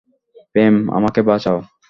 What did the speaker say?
প্রেম, আমাকে বাঁচাও।